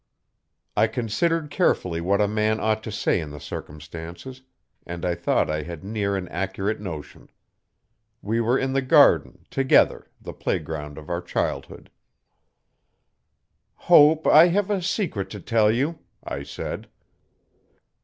I considered carefully what a man ought to say in the circumstances, and I thought I had near an accurate notion. We were in the garden together the playground of our childhood. 'Hope, I have a secret to tell you,' I said.